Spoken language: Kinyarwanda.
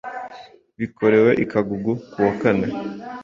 Bikorewe i Kagugu kuwa kane